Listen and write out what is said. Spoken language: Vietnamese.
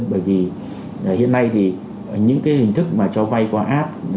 bởi vì hiện nay thì những cái hình thức mà cho vay qua app